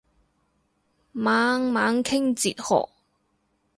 猛猛傾哲學